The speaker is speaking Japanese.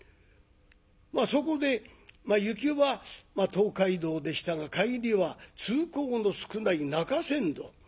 まあそこで行きは東海道でしたが帰りは通行の少ない中山道。